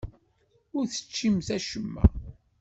Ur teččimt acemma.